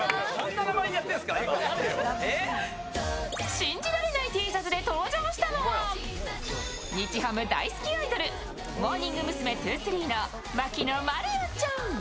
信じられないＴシャツで登場したのは日ハム大好きアイドル、モーニング娘’２３の牧野真莉愛ちゃん。